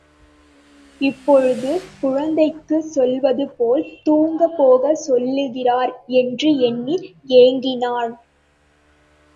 இப்பொழுது, குழந்தைக்குச் சொல்வது போல் தூங்கப் போகச் சொல்லுகிறார் என்று எண்ணி ஏங்கினாள்.